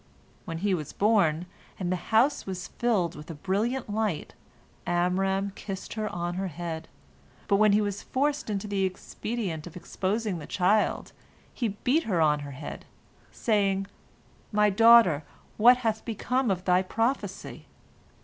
When he was born, and the house was filled with brilliant light, Amram kissed her on her head, but when he was forced into the expedient of exposing the child, he beat her on her head, saying, "My daughter, what hath become of thy prophecy?"